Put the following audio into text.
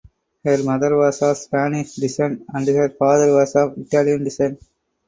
Her mother was of Spanish descent and her father was of Italian descent.